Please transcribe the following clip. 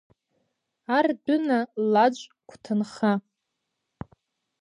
Ардәына Лаџ гәҭынха.